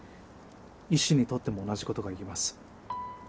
医師にとっても同じ事が言えます。